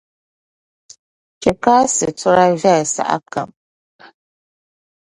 chɛ ka a situra viɛli sahakam.